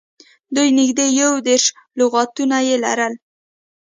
دوی نږدې یو دېرش لغاتونه یې لرل